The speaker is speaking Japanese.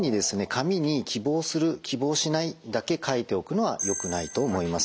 紙に「希望する」「希望しない」だけ書いておくのはよくないと思います。